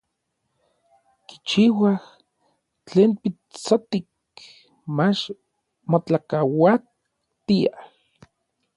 Kichiuaj tlen pitsotik, mach motlakaualtiaj.